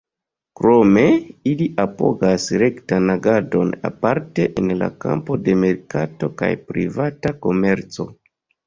Krome, ili apogas rektan agadon, aparte en la kampo de merkato kaj privata komerco.